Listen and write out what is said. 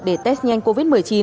để test nhanh covid một mươi chín